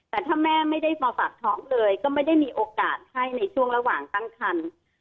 แต่ถ้าแม่ไม่ได้มาฝากท้องเลยก็ไม่ได้มีโอกาสให้ในช่วงระหว่างตั้งคัน